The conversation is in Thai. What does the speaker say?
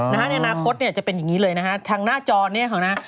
ในอนาคตเนี่ยจะเป็นอย่างนี้เลยนะฮะทางหน้าจอเนี่ยเขานะ